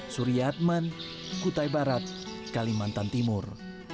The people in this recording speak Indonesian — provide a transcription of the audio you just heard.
surya adman kutai barat kalimantan timur